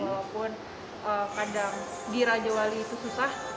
walaupun kadang di rajawali itu susah